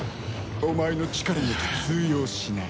お前の力など通用しない。